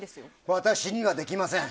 私にはできません。